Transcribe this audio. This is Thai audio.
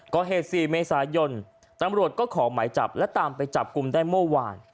ก่อเหตุ๔เมษายนตำรวจก็ขอหมายจับและตามไปจับกลุ่มได้เมื่อวาน